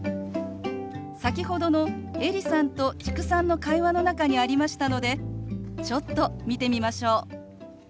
先ほどのエリさんと知久さんの会話の中にありましたのでちょっと見てみましょう。